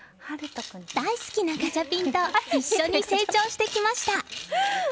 大好きなガチャピンと一緒に成長してきました。